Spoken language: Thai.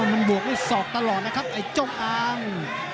มันบวกด้วยศอกตลอดนะครับไอ้จงอาง